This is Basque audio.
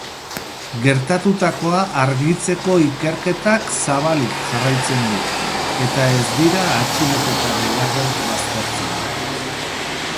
Gertatutako argitzeko ikerketa zabalik jarraitzen du, eta ez dira atxiloketa gehiago baztertzen.